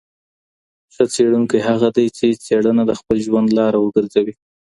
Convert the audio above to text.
ښه څېړونکی هغه دی چي څېړنه د خپل ژوند لاره وګرځوي.